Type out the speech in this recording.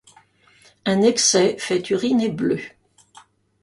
Un excès fait uriner bleu.